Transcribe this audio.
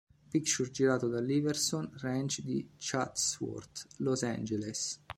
Pictures, girato all'Iverson Ranch di Chatsworth, Los Angeles.